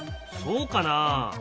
そうかな？